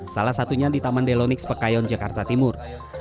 salah satunya di taman delonix pekayon jakarta timur